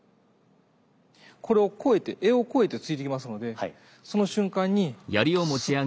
これを越えて柄を越えて突いてきますのでその瞬間にスッと。